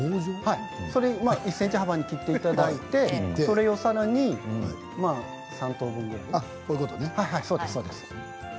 １ｃｍ幅に切っていただいてそれをさらに３等分ぐらい。